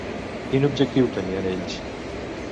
Quin objectiu tenien ells?